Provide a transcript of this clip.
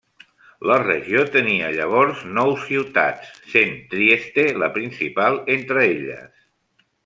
La regió tenia llavors nou ciutats, sent Trieste la principal entre elles.